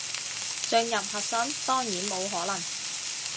進入核心，當然冇可能